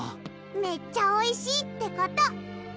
めっちゃおいしいってこと！